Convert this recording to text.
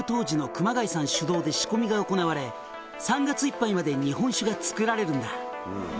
「主導で仕込みが行われ３月いっぱいまで日本酒が造られるんだ」